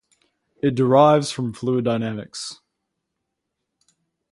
It derives from fluid dynamics.